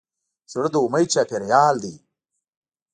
زړه د امید چاپېریال دی.